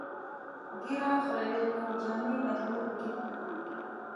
ږیره خرییل او جامې بدلول پکې منع وو.